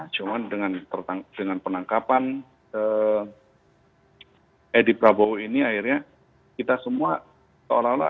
cuma dengan penangkapan edi prabowo ini akhirnya kita semua seolah olah